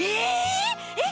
えっ！